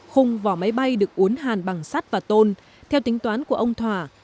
khung vỏ máy bay được uốn hàn bằng sắt và tôn theo tính toán của ông thỏa